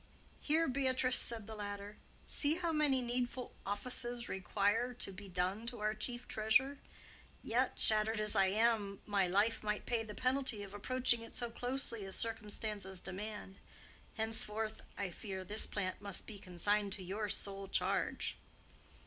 "Here, Beatrice," said the latter, "see how many needful offices require to be done to our chief treasure. Yet, shattered as I am, my life might pay the penalty of approaching it so closely as circumstances demand. Henceforth, I fear, this plant must be consigned to your sole charge."